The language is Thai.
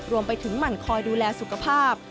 รวมไปถึงหมั่นคอยดูแลสุขภาพ